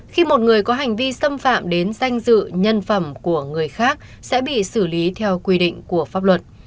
khi một người có hành vi xâm phạm đến danh dự nhân phẩm của người khác sẽ bị xử lý theo quy định của pháp luật